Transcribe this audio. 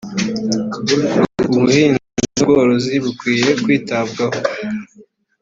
ubuhinzi n’ubworozi bikwiye kwitabwaho